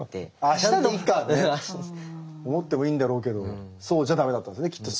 明日でいいかって思ってもいいんだろうけどそうじゃ駄目だったんですねきっと。